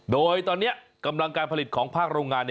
โดยตอนนี้กำลังการผลิตของภาคโรงงาน